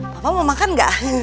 papa mau makan gak